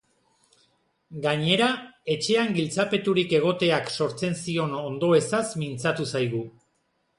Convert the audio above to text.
Gainera, etxean giltzapeturik egoteak sortzen zion ondoezaz mintzatu zaigu.